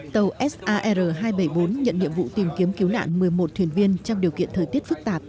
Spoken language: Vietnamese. tàu sar hai trăm bảy mươi bốn nhận nhiệm vụ tìm kiếm cứu nạn một mươi một thuyền viên trong điều kiện thời tiết phức tạp